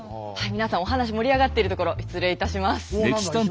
皆さんお話盛り上がってるところ失礼いたします。